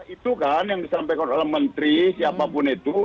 itu kan yang disampaikan oleh menteri siapapun itu